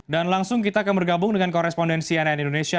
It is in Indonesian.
dan langsung kita akan bergabung dengan korespondensi ann indonesia